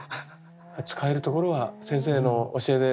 使えるところは先生の教えで。